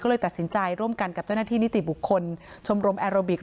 ก็เลยตัดสินใจร่วมกันกับเจ้าหน้าที่นิติบุคคลชมรมแอโรบิก